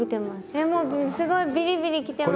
いやもうすごいビリビリきてます。